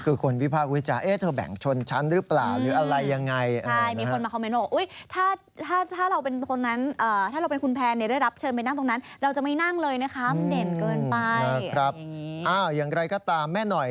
คือคนวิพากษ์วิจารเอ๊ะเธอแบ่งชนชั้นรึเปล่า